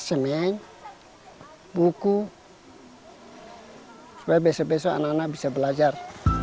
semen buku supaya besok besok anak anak bisa belajar